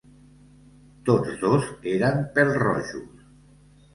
Tots dos eren pèl-rojos.